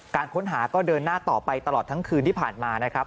การค้นหาก็เดินหน้าต่อไปตลอดทั้งคืนที่ผ่านมานะครับ